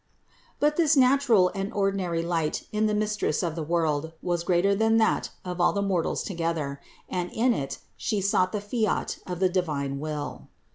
But this nat ural and ordinary light in the Mistress of the world was greater than that of all the mortals together; and in it She sought the fiat of the divine will.